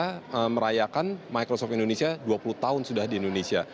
karena merayakan microsoft indonesia dua puluh tahun sudah di indonesia